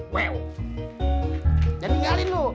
jangan tinggalin lu